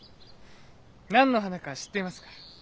何の花か知っていますか？